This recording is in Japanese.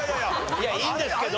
いやいいんですけど。